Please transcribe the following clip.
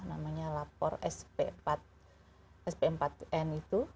namanya lapor sp empat n itu